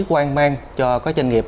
quan mang cho các doanh nghiệp